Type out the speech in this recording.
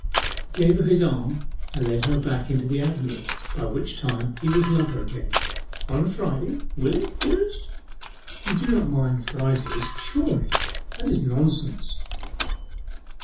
He gave her his arm and led her back into the avenue, by which time he was lover again. 'On a Friday, will it, dearest? You do not mind Fridays, surely? That's nonsense.